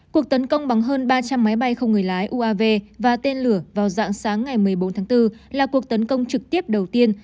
cuộc tấn công bắn hơn ba trăm linh máy bay không người lái uav và tên lửa vào dạng sáng ngày một mươi bốn tháng bốn là cuộc tấn công trực tiếp đầu tiên